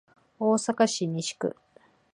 大阪市西区